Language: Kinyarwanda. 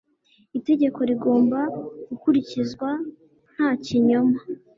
itegeko rigomba gukurikizwa nta kinyoma